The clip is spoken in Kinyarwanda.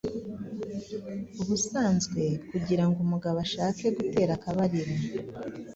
ubusanzwe kugirango umugabo ashake gutera akabariro,